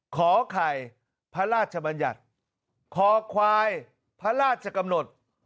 ขอไข่พระราชบัญญัติคอควายพระราชกำหนด